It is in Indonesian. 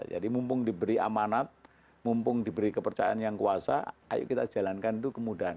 jadi mumpung diberi amanat mumpung diberi kepercayaan yang kuasa ayo kita jalankan itu kemudahan